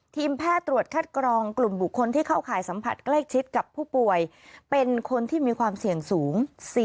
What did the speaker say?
ทีมแพทย์ตรวจคัดกรองกลุ่มบุคคลที่เข้าข่ายสัมผัสใกล้ชิดกับผู้ป่วยเป็นคนที่มีความเสี่ยงสูง